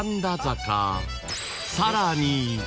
［さらに］